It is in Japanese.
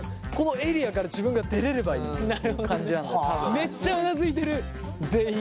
めっちゃうなずいてる全員。